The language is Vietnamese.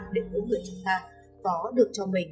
để mỗi người chúng ta có được cho mình